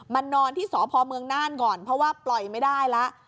นอนที่สพเมืองน่านก่อนเพราะว่าปล่อยไม่ได้แล้ว